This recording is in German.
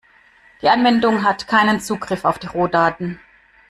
Die Anwendung hat keinen Zugriff auf die Rohdaten.